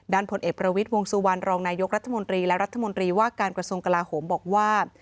ผลเอกประวิทย์วงสุวรรณรองนายกรัฐมนตรีและรัฐมนตรีว่าการกระทรวงกลาโหมบอกว่า